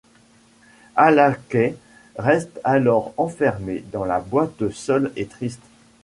Alakay reste alors enfermé dans la boîte seul et triste.